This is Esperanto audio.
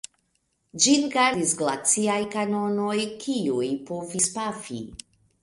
Ĝin gardis glaciaj kanonoj, kiuj povis pafi.